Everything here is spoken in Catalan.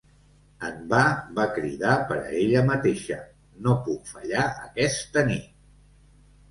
En va, va cridar per a ella mateixa "No puc fallar aquesta nit."